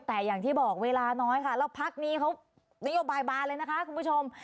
แต่อย่างที่บอกเวลาน้อยค่ะแล้วพักนี้เขานโยบายบานเลยนะคะคุณผู้ชม